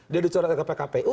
dia dicorotkan ke pkpu